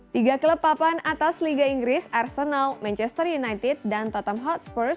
tiga klub papan atas liga inggris arsenal manchester united dan tottenhatspurs